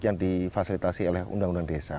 yang difasilitasi oleh undang undang desa